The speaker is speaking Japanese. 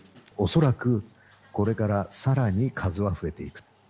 恐らく、これからさらに数は増えていく。